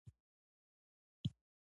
ټولنې د نورو اقشارو هېڅ استازي پکې نه و.